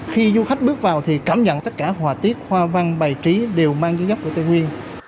khi du khách bước vào thì cảm nhận tất cả hòa tiết hoa văn bày trí đều mang dưới góc của tây nguyên